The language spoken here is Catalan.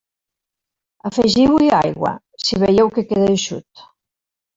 Afegiu-hi aigua si veieu que queda eixut.